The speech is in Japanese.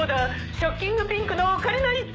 ショッキングピンクのオカリナ一丁！」